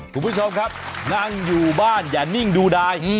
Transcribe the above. คุณผู้ชมครับนั่งอยู่บ้านอย่านิ่งดูดาย